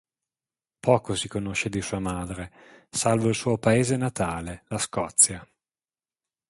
Poco si conosce di sua madre, salvo il suo Paese natale, la Scozia.